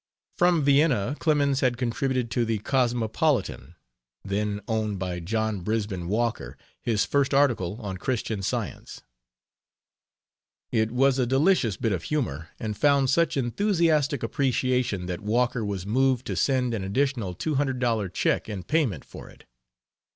From Vienna Clemens had contributed to the Cosmopolitan, then owned by John Brisben Walker, his first article on Christian Science. It was a delicious bit of humor and found such enthusiastic appreciation that Walker was moved to send an additional $200 check in payment for it.